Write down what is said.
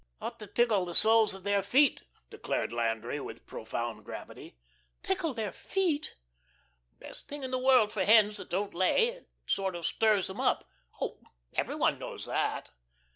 "Ought to tickle the soles of their feet," declared Landry with profound gravity. "Tickle their feet!" "Best thing in the world for hens that don't lay. It sort of stirs them up. Oh, every one knows that."